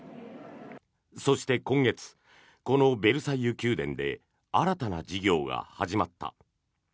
そして、今月このベルサイユ宮殿で新たな事業が始まった。